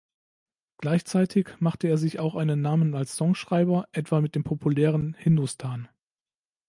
Gleichzeitig machte er sich auch einen Namen als Songschreiber, etwa mit dem populären „Hindustan“.